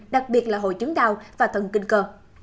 đặc biệt là hội chứng đau và thần kinh cơ